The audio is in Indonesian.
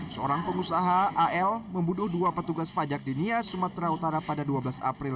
seorang pengusaha al membunuh dua petugas pajak di nia sumatera utara pada dua belas april